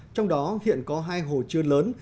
trong đó hiện có hai hồ chứa lớn